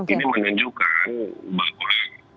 ini menunjukkan bahwa